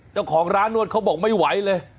เจ้าของร้านนวดเขาบอกไม่ไหวเลย